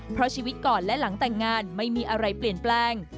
เพราะชีวิตก่อนและหลังแต่งงานไม่มีอะไรเปลี่ยนแปลง